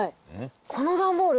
この段ボール